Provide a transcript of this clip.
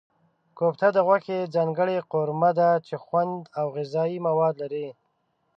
کوفته د غوښې ځانګړې قورمه ده چې خوند او غذايي مواد لري.